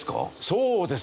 そうです！